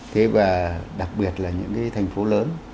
thế và đặc biệt là những cái thành phố lớn